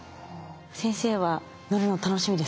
先生は乗るの楽しみですか？